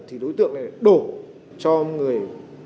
thì đối tượng lại đổ cho người